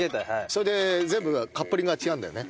それで全部カップリングが違うんだよね？